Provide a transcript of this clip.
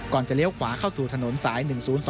จะเลี้ยวขวาเข้าสู่ถนนสาย๑๐๒